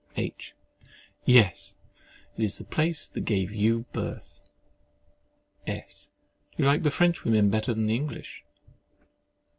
H. Yes, it is the place that gave you birth. S. Do you like the French women better than the English?